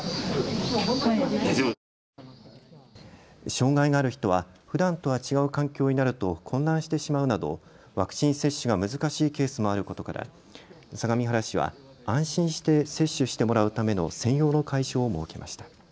障害がある人は、ふだんとは違う環境になると混乱してしまうなどワクチン接種が難しいケースもあることから相模原市は安心して接種してもらうための専用の会場を設けました。